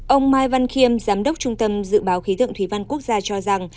ông mai văn khiêm giám đốc trung tâm dự báo khí tượng thủy văn quốc gia cho rằng